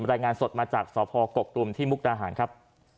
รายงานสดมาจากสพกกตุมที่มุกดาหารครับ